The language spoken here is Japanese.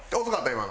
今の。